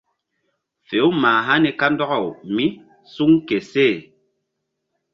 Fe-u mah hani kandɔkaw mí suŋ ke seh.